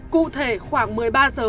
cụ thể khoảng một mươi ba h